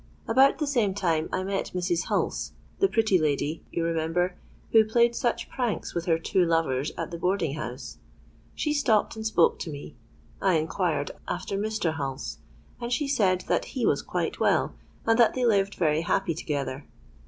About the same time I met Mrs. Hulse—the pretty lady, you remember, who played such pranks with her two lovers at the boarding house. She stopped and spoke to me. I inquired after Mr. Hulse; and she said that he was quite well, and that they lived very happy together.